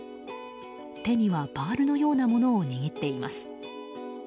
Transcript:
手にはバールのようなものを握っています。